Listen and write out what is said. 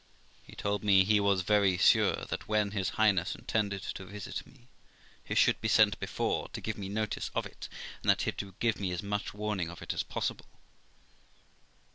He told me he was very sure that, when his Highness intended to visit me, he should be sent before to give me notice of it, and that he would give me as much warning of it as possible.